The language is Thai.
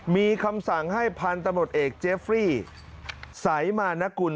มีคำสั่งให้พันธุ์ตำรวจเอกเจฟรี่สายมานกุล